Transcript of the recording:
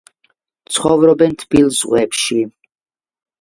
ცხოვრობენ თბილ ზღვებში.